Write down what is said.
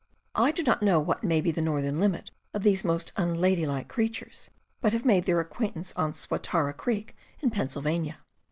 I do not know what may be the northern limit of these most unlady like creatures, but have made their acquaintance on Swatara Creek in Pennsylvania.